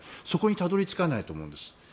そこにたどり着かないと思います。